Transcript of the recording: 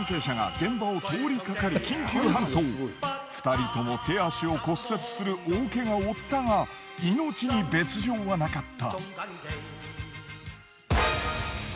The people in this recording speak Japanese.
偶然２人とも手足を骨折する大ケガを負ったが命に別状はなかった。